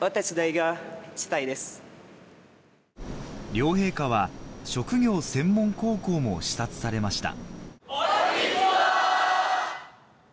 両陛下は職業専門高校も視察されました